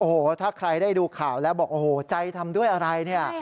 โอ้โหถ้าใครได้ดูข่าวแล้วบอกโอ้โหใจทำด้วยอะไรเนี่ย